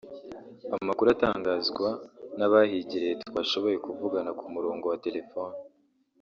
Amakuru atangazwa n’abahigereye twashoboye kuvugana ku murongo wa telefone